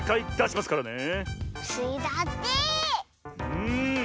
うん。